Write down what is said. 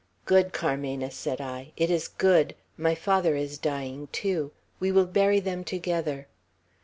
'Good, Carmena!' said I. 'It is good! My father is dying too. We will bury them together.'